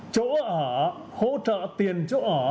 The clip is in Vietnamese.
chỗ ở hỗ trợ tiền chỗ ở